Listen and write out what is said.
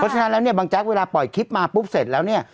ฉะนั้นแล้วเนี่ยบางแจ๊กเวลาปล่อยคลิปมาปุ๊บเสร็จแล้วเนี่ย